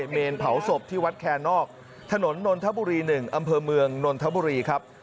เมนเผาศพที่วัดแคนนอกถนนนนทบุรี๑อำเภอเมืองนนทบุรีครับ